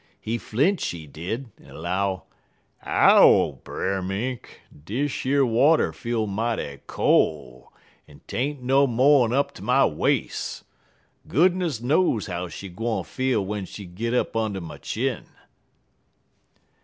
He flinch, he did, en 'low: "'Ow, Brer Mink! Dish yer water feel mighty col' and 't ain't no mo'n up ter my wais'. Goodness knows how she gwine feel w'en she git up und' my chin.'